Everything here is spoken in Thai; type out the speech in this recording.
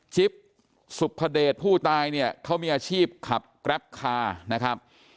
สุภเดชผู้ตายเนี่ยเขามีอาชีพขับแกรปคานะครับ